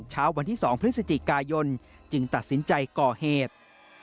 เช้าวันที่๒พฤศจิกายนจึงตัดสินใจก่อเหตุ